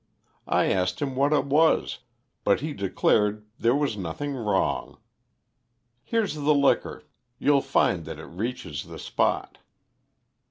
I asked him what it was, but he declared there was nothing wrong. Here's the liquor. You'll find that it reaches the spot."